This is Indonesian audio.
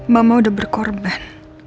mama udah berkorban